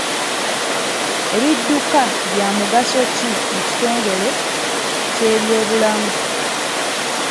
Ebidduka bya mugaso ki mu kitongole ky'ebyobulamu?